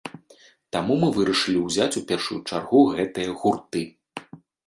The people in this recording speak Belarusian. Таму мы вырашылі ўзяць у першую чаргу гэтыя гурты.